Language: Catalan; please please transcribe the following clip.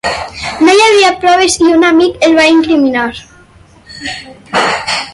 No hi havia proves i un amic el va incriminar.